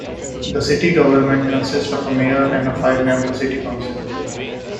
The city government consists of a mayor and a five-member city council.